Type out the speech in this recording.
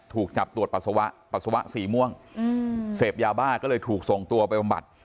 ถูกจับตรวจปัสสาวะปัสสาวะสีม่วงเสพยาบ้าก็เลยถูกส่งตัวไปบำบัด